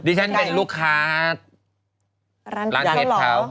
ดิฉันเป็นลูกค้าร้านเพชรเขา